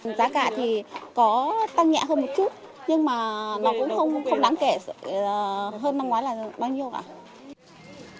giá cả thì có tăng nhẹ hơn một chút nhưng mà nó cũng không đáng kể hơn năm ngoái là bao nhiêu cả